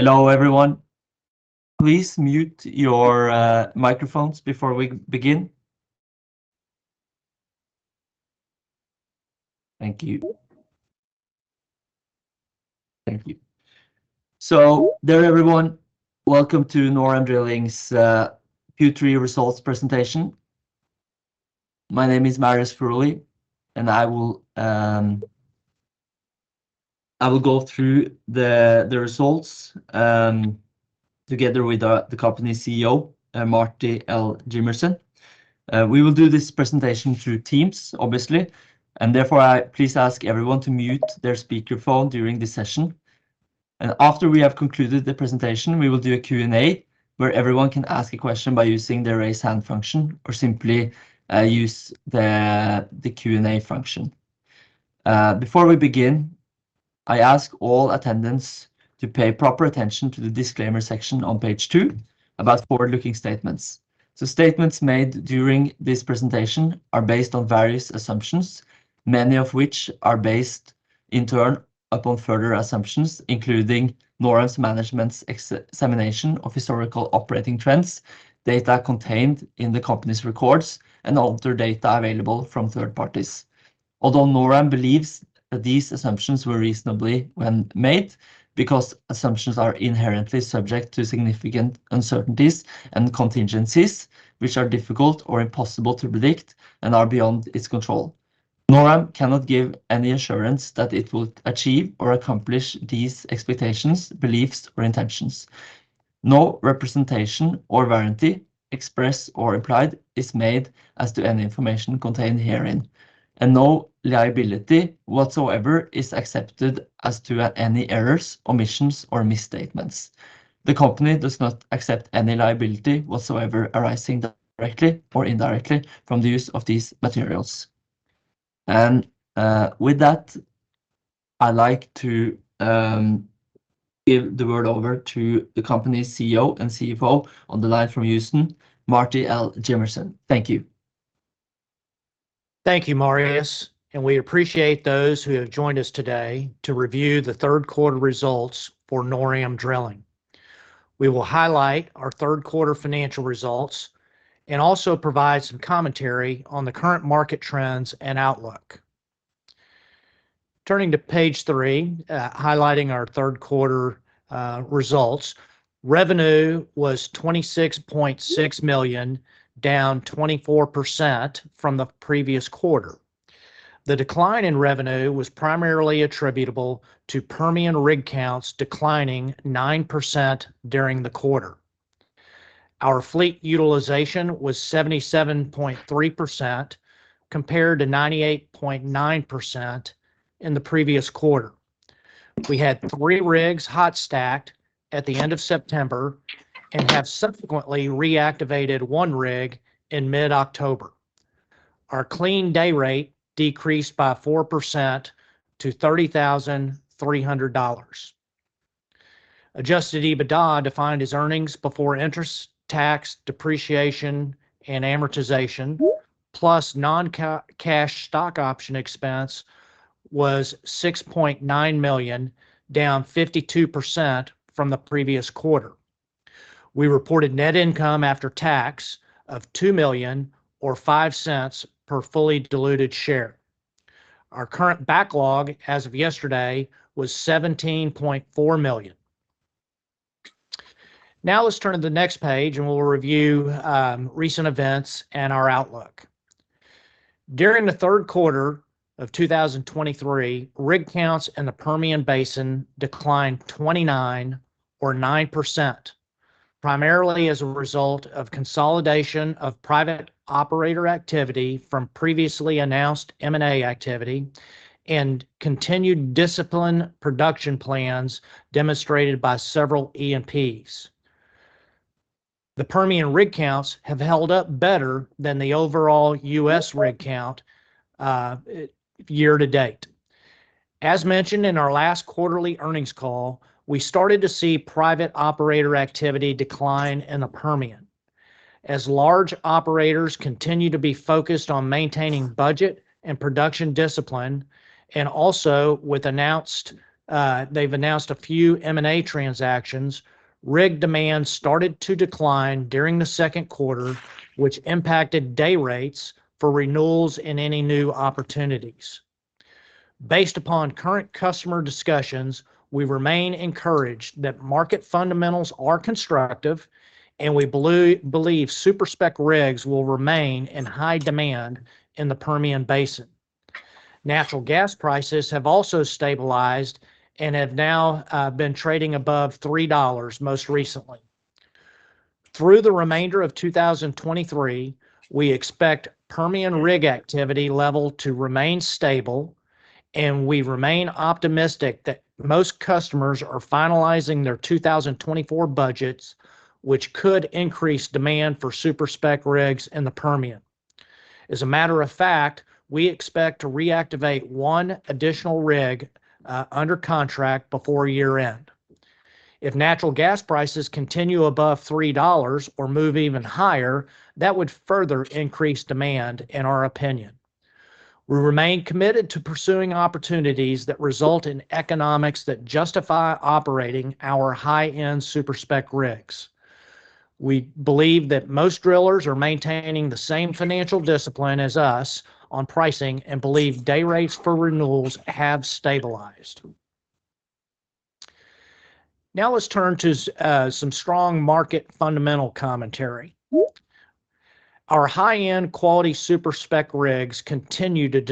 Hello, everyone. Please mute your microphones before we begin. Thank you. Thank you. So, there, everyone, welcome to NorAm Drilling's Q3 results presentation. My name is Marius Furuly, and I will go through the results together with the company's CEO, Marty L. Jimmerson. We will do this presentation through Teams, obviously, and therefore, I please ask everyone to mute their speakerphone during this session. After we have concluded the presentation, we will do a Q&A, where everyone can ask a question by using the Raise Hand function or simply use the Q&A function. Before we begin, I ask all attendants to pay proper attention to the disclaimer section on page two about forward-looking statements. So statements made during this presentation are based on various assumptions, many of which are based, in turn, upon further assumptions, including NorAm's management's examination of historical operating trends, data contained in the company's records, and other data available from third parties. Although NorAm believes that these assumptions were reasonable when made, because assumptions are inherently subject to significant uncertainties and contingencies, which are difficult or impossible to predict and are beyond its control, NorAm cannot give any assurance that it will achieve or accomplish these expectations, beliefs, or intentions. No representation or warranty, express or implied, is made as to any information contained herein, and no liability whatsoever is accepted as to any errors, omissions, or misstatements. The company does not accept any liability whatsoever arising directly or indirectly from the use of these materials. With that, I'd like to give the word over to the company's CEO and CFO on the line from Houston, Marty L. Jimmerson. Thank you. Thank you, Marius, and we appreciate those who have joined us today to review the third quarter results for NorAm Drilling. We will highlight our third quarter financial results and also provide some commentary on the current market trends and outlook. Turning to page three, highlighting our third quarter results, revenue was $26.6 million, down 24% from the previous quarter. The decline in revenue was primarily attributable to Permian rig counts declining 9% during the quarter. Our fleet utilization was 77.3%, compared to 98.9% in the previous quarter. We had three rigs hot stacked at the end of September and have subsequently reactivated one rig in mid-October. Our clean day rate decreased by 4% to $30,300. Adjusted EBITDA, defined as earnings before interest, tax, depreciation, and amortization, plus non-cash stock option expense, was $6.9 million, down 52% from the previous quarter. We reported net income after tax of $2 million, or $0.05 per fully diluted share. Our current backlog, as of yesterday, was $17.4 million. Now let's turn to the next page, and we'll review recent events and our outlook. During the third quarter of 2023, rig counts in the Permian Basin declined 29, or 9%, primarily as a result of consolidation of private operator activity from previously announced M&A activity and continued disciplined production plans demonstrated by several E&Ps. The Permian rig counts have held up better than the overall U.S. rig count year-to-date. As mentioned in our last quarterly earnings call, we started to see private operator activity decline in the Permian. As large operators continue to be focused on maintaining budget and production discipline, and also with announced, they've announced a few M&A transactions, rig demand started to decline during the second quarter, which impacted day rates for renewals and any new opportunities. Based upon current customer discussions, we remain encouraged that market fundamentals are constructive, and we believe Super Spec rigs will remain in high demand in the Permian Basin. Natural gas prices have also stabilized and have now been trading above $3 most recently. Through the remainder of 2023, we expect Permian rig activity level to remain stable, and we remain optimistic that most customers are finalizing their 2024 budgets, which could increase demand for Super Spec rigs in the Permian. As a matter of fact, we expect to reactivate one additional rig under contract before year end. If natural gas prices continue above $3 or move even higher, that would further increase demand, in our opinion. We remain committed to pursuing opportunities that result in economics that justify operating our high-end Super Spec rigs. We believe that most drillers are maintaining the same financial discipline as us on pricing, and believe day rates for renewals have stabilized. Now, let's turn to some strong market fundamental commentary. Our high-end quality Super Spec rigs continue to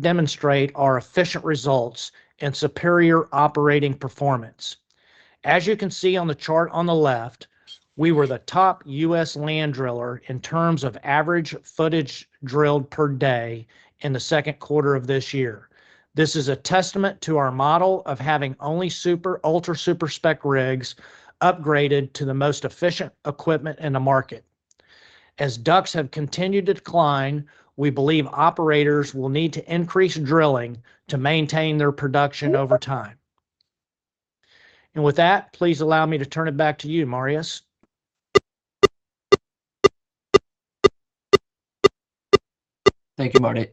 demonstrate our efficient results and superior operating performance. As you can see on the chart on the left, we were the top U.S. land driller in terms of average footage drilled per day in the second quarter of this year. This is a testament to our model of having only Super Spec, Ultra Super Spec rigs upgraded to the most efficient equipment in the market. As DUCs have continued to decline, we believe operators will need to increase drilling to maintain their production over time. With that, please allow me to turn it back to you, Marius. Thank you, Marty.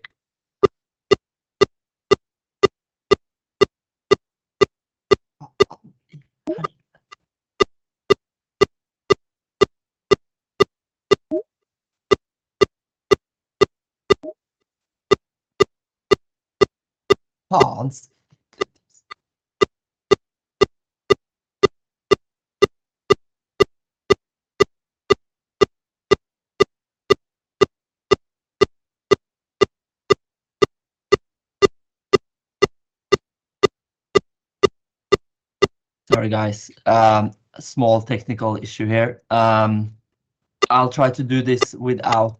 Sorry, guys, a small technical issue here. I'll try to do this without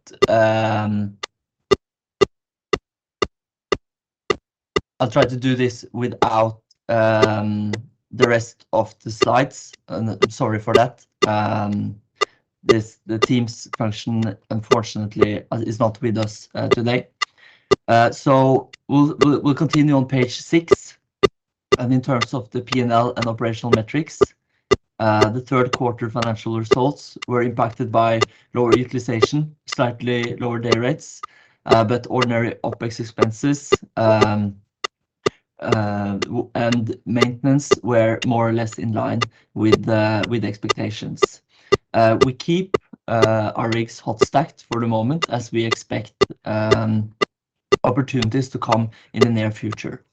the rest of the slides, and sorry for that. The Teams function, unfortunately, is not with us today. So we'll continue on page six. In terms of the P&L and operational metrics, the third quarter financial results were impacted by lower utilization, slightly lower day rates, but ordinary OpEx expenses and maintenance were more or less in line with the expectations. We keep our rigs hot stacked for the moment as we expect opportunities to come in the near future.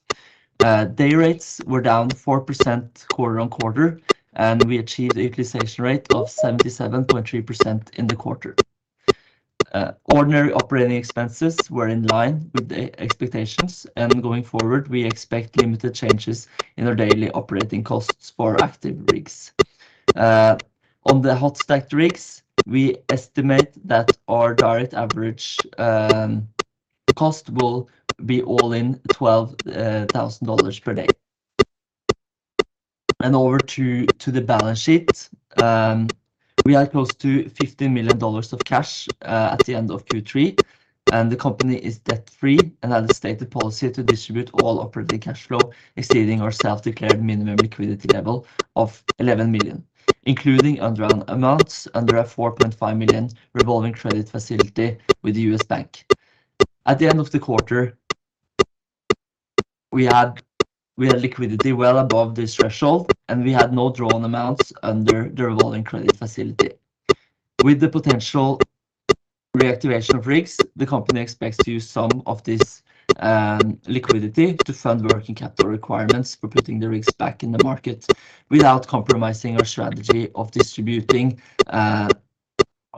Day rates were down 4% quarter-on-quarter, and we achieved a utilization rate of 77.3% in the quarter. Ordinary operating expenses were in line with the expectations, and going forward, we expect limited changes in our daily operating costs for active rigs. On the hot stacked rigs, we estimate that our direct average cost will be all in $12,000 per day. And over to the balance sheet, we are close to $50 million of cash at the end of Q3, and the company is debt-free and has a stated policy to distribute all operating cash flow exceeding our self-declared minimum liquidity level of $11 million, including undrawn amounts under a $4.5 million revolving credit facility with U.S. Bank. At the end of the quarter, we had liquidity well above this threshold, and we had no drawn amounts under the revolving credit facility. With the potential reactivation of rigs, the company expects to use some of this liquidity to fund working capital requirements for putting the rigs back in the market, without compromising our strategy of distributing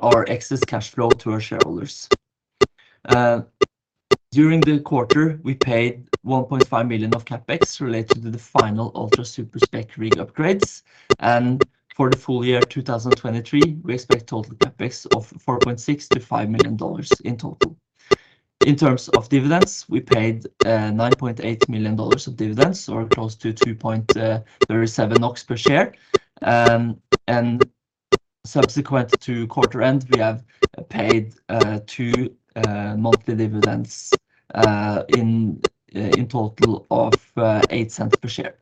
our excess cash flow to our shareholders. During the quarter, we paid $1.5 million of CapEx related to the final Ultra Super Spec rig upgrades, and for the full-year, 2023, we expect total CapEx of $4.6 million-$5 million in total. In terms of dividends, we paid $9.8 million of dividends or close to NOK 2.37 per share. And subsequent to quarter end, we have paid two monthly dividends in total of $0.08 per share.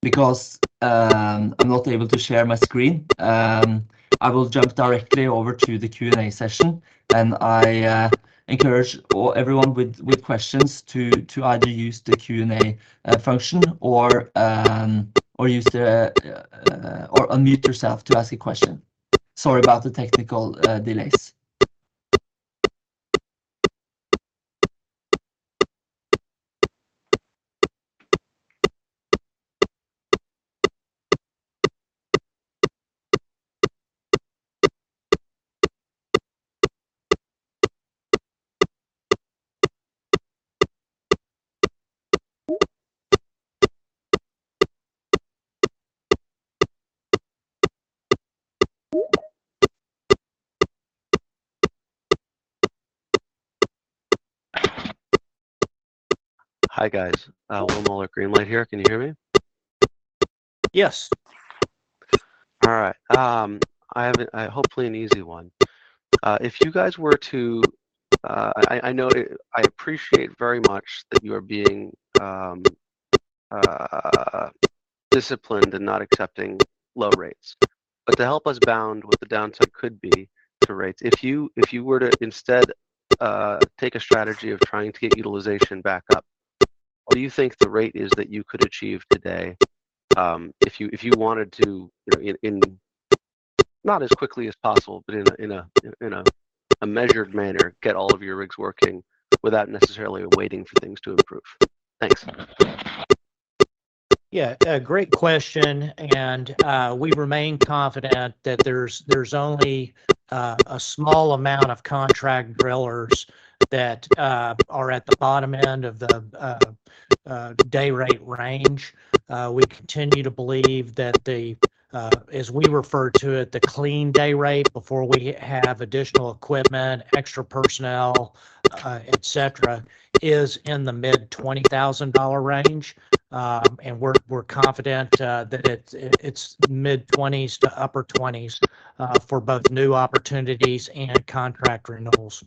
Because I'm not able to share my screen, I will jump directly over to the Q&A session, and I encourage everyone with questions to either use the Q&A function or unmute yourself to ask a question. Sorry about the technical delays. Hi, guys. Will Moller, Greenlight here. Can you hear me? Yes. All right. I have a... Hopefully, an easy one. If you guys were to... I, I know, I appreciate very much that you are being disciplined and not accepting low rates. But to help us bound what the downside could be to rates, if you were to instead take a strategy of trying to get utilization back up, what do you think the rate is that you could achieve today, if you wanted to, you know, in not as quickly as possible, but in a measured manner, get all of your rigs working without necessarily waiting for things to improve? Thanks. Yeah, a great question, and we remain confident that there's only a small amount of contract drillers that are at the bottom end of the day rate range. We continue to believe that, as we refer to it, the clean day rate, before we have additional equipment, extra personnel, et cetera, is in the mid-$20,000 range. And we're confident that it's mid-$20,000s to upper $20,000s for both new opportunities and contract renewals.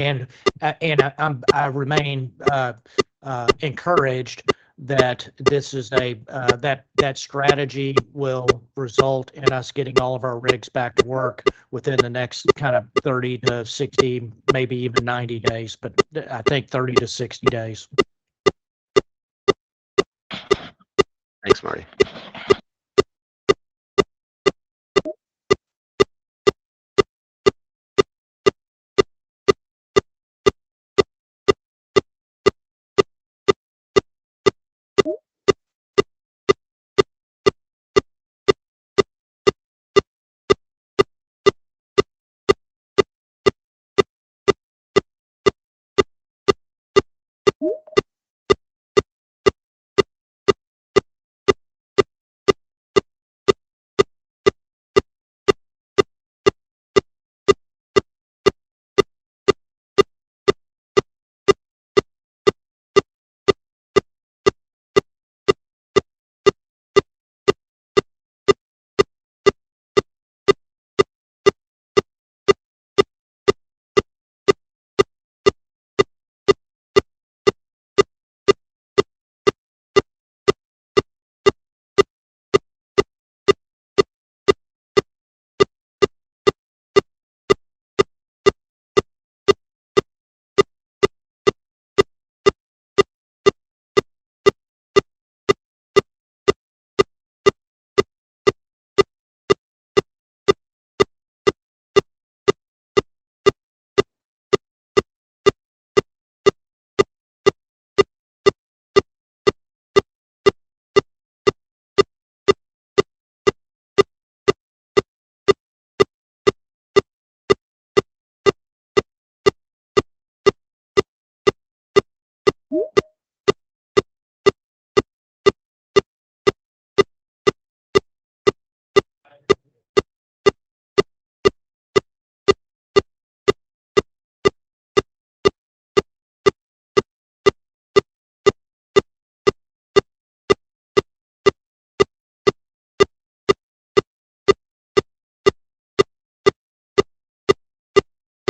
And I remain encouraged that this is a that strategy will result in us getting all of our rigs back to work within the next kind of 30-60, maybe even 90 days, but I think 30-60 days. Thanks, Marty.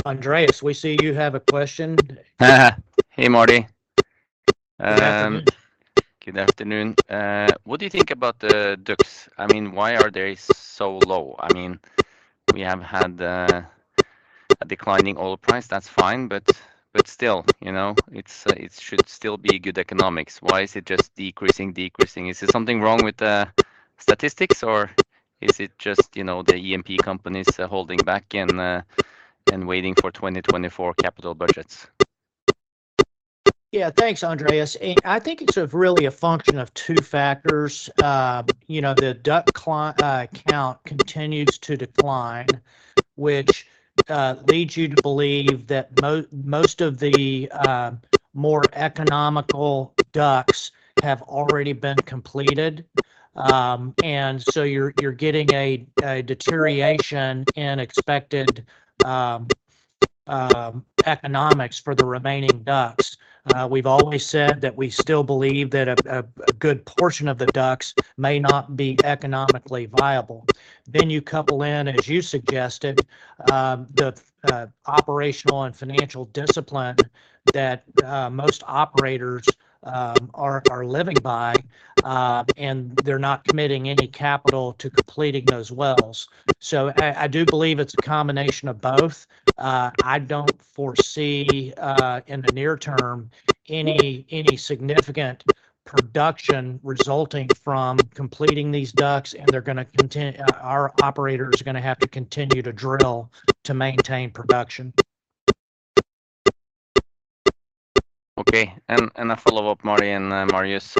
Andreas, we see you have a question. Hey, Marty. Good afternoon. Good afternoon. What do you think about the DUCs? I mean, why are they so low? I mean, we have had a declining oil price, that's fine, but, but still, you know, it's, it should still be good economics. Why is it just decreasing, decreasing? Is there something wrong with the statistics, or is it just, you know, the E&P companies holding back and, and waiting for 2024 capital budgets? Yeah, thanks, Andreas. I think it's really a function of two factors. You know, the DUC count continues to decline, which leads you to believe that most of the more economical DUCs have already been completed. And so you're getting a deterioration in expected economics for the remaining DUCs. We've always said that we still believe that a good portion of the DUCs may not be economically viable. Then you couple in, as you suggested, the operational and financial discipline that most operators are living by, and they're not committing any capital to completing those wells. So I do believe it's a combination of both. I don't foresee, in the near term, any significant production resulting from completing these DUCs, and our operators are gonna have to continue to drill to maintain production. Okay. And a follow-up, Marty and Marius,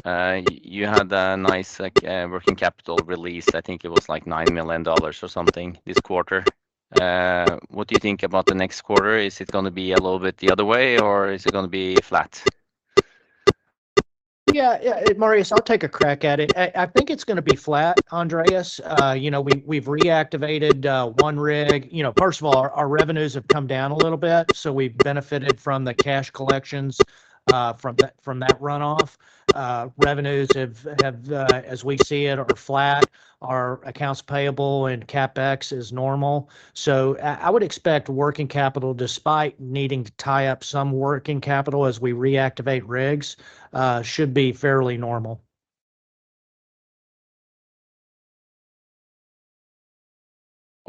you had a nice, like, working capital release. I think it was, like, $9 million or something this quarter. What do you think about the next quarter? Is it gonna be a little bit the other way, or is it gonna be flat? Yeah, yeah, Marius, I'll take a crack at it. I think it's gonna be flat, Andreas. You know, we've reactivated one rig. You know, first of all, our revenues have come down a little bit, so we've benefited from the cash collections from that runoff. Revenues have, as we see it, are flat. Our accounts payable and CapEx is normal. So I would expect working capital, despite needing to tie up some working capital as we reactivate rigs, should be fairly normal....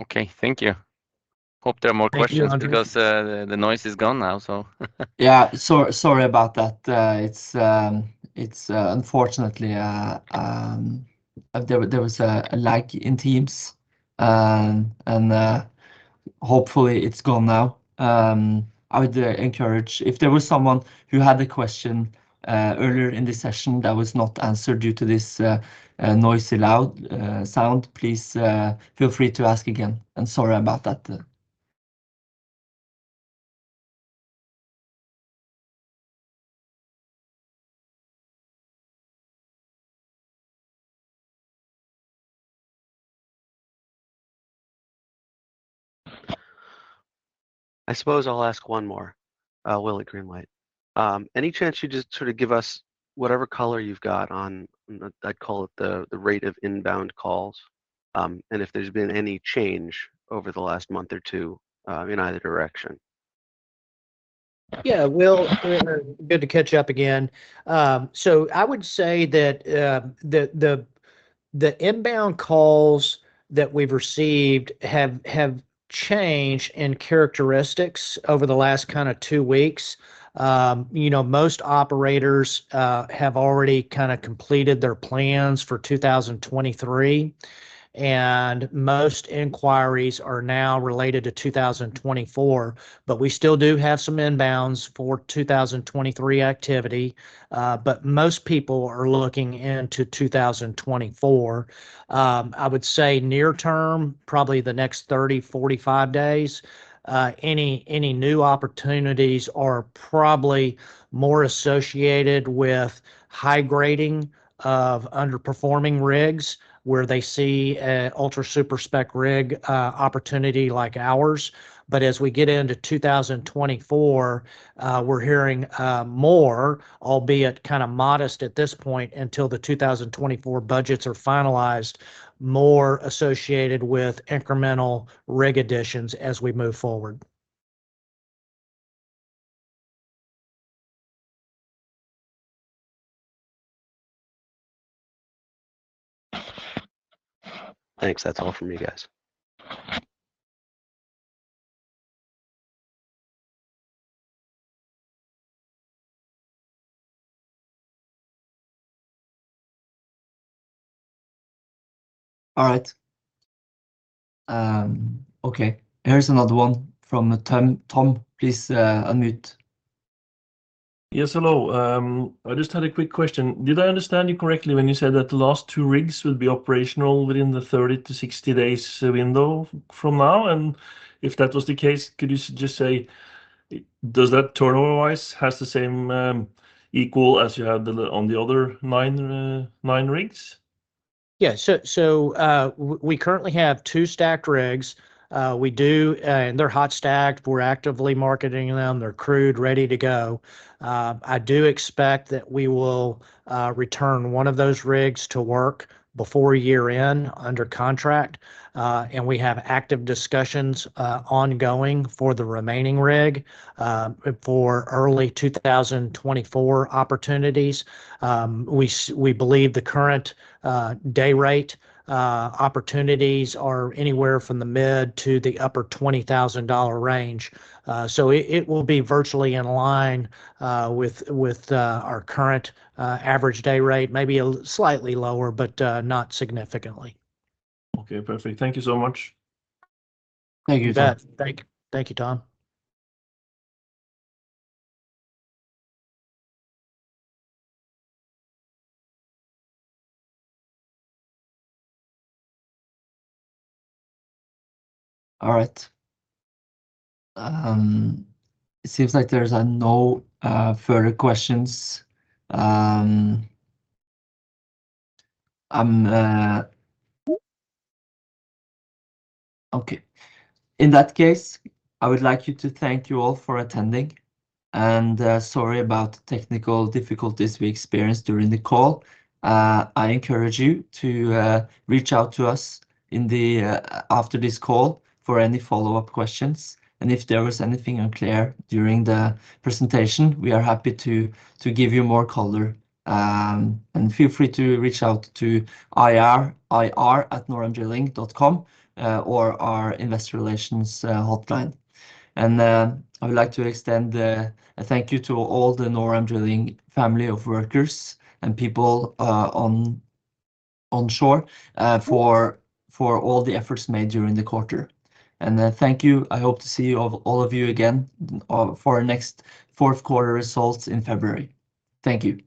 Okay, thank you. Hope there are more questions- Thank you. because the noise is gone now, so Yeah, so sorry about that. It's unfortunately there was a lag in Teams. Hopefully it's gone now. I would encourage, if there was someone who had a question earlier in the session that was not answered due to this noisy, loud sound, please feel free to ask again, and sorry about that. I suppose I'll ask one more, Will at Greenlight. Any chance you just sort of give us whatever color you've got on, I'd call it the, the rate of inbound calls, and if there's been any change over the last month or two, in either direction? Yeah, Will, good to catch up again. So I would say that the inbound calls that we've received have changed in characteristics over the last kind of two weeks. You know, most operators have already kind of completed their plans for 2023, and most inquiries are now related to 2024. But we still do have some inbounds for 2023 activity, but most people are looking into 2024. I would say near term, probably the next 30, 45 days, any new opportunities are probably more associated with high grading of underperforming rigs, where they see an Ultra Super Spec rig opportunity like ours. But as we get into 2024, we're hearing more, albeit kind of modest at this point, until the 2024 budgets are finalized, more associated with incremental rig additions as we move forward. I think that's all from you guys. All right. Okay, here's another one from Tom. Tom, please, unmute. Yes, hello. I just had a quick question. Did I understand you correctly when you said that the last two rigs will be operational within the 30-60-day window from now? And if that was the case, could you just say, does that turnover-wise, has the same, equal as you had on the other nine, nine rigs? Yeah. So we currently have two stacked rigs. We do, and they're hot stacked. We're actively marketing them. They're crewed, ready to go. I do expect that we will return one of those rigs to work before year-end, under contract. And we have active discussions ongoing for the remaining rig, for early 2024 opportunities. We believe the current day rate opportunities are anywhere from the mid- to upper $20,000 range. So it will be virtually in line with our current average day rate, maybe slightly lower, but not significantly. Okay, perfect. Thank you so much. Thank you, Tom. You bet. Thank you, Tom. All right. It seems like there's no further questions. Okay, in that case, I would like to thank you all for attending, and sorry about the technical difficulties we experienced during the call. I encourage you to reach out to us after this call for any follow-up questions. If there was anything unclear during the presentation, we are happy to give you more color. Feel free to reach out to IR, ir@noramdrilling.com, or our Investor Relations hotline. I would like to extend a thank you to all the NorAm Drilling family of workers and people onshore for all the efforts made during the quarter. Thank you. I hope to see you, all of you again, for our next fourth quarter results in February. Thank you.